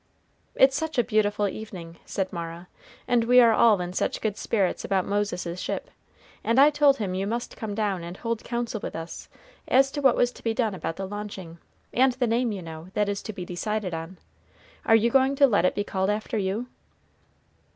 "It's such a beautiful evening," said Mara, "and we are all in such good spirits about Moses's ship, and I told him you must come down and hold counsel with us as to what was to be done about the launching; and the name, you know, that is to be decided on are you going to let it be called after you?"